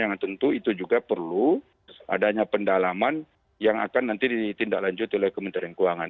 yang tentu itu juga perlu adanya pendalaman yang akan nanti ditindaklanjuti oleh kementerian keuangan